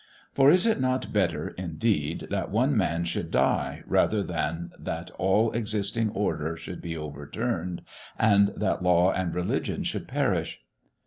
For is it not better, indeed, that one man should die rather than that all existing order should be overturned, and that law and religion should perish?